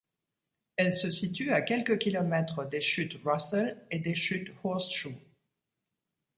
Elles se situes à quelque km des chutes Russell et des chutes Horseshoe.